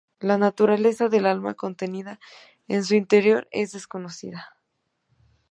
La naturaleza del alma contenida en su interior es desconocida.